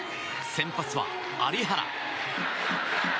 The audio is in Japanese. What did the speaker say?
先発は有原。